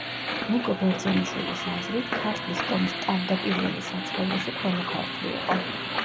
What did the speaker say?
ნიკო ბერძენიშვილის აზრით ქართლის ტომის ტავდაპირველი საცხოვრისი ქვემო ქართლი იყო.